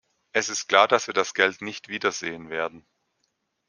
Es ist klar, dass wir das Geld nicht wiedersehen werden.